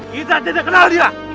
kita tidak kenal dia